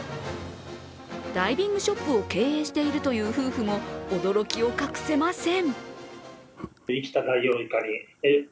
ダイビングショップを経営しているという夫婦も驚きを隠せません。